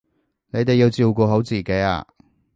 你哋要照顧好自己啊